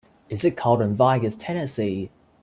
is it cold in Vigus Tennessee